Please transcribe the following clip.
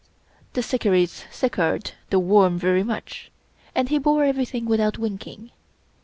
The " Shikarris " shikarred The Worm very much, and he bore everything without winking.